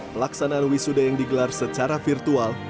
pelaksanaan wisuda yang digelar secara virtual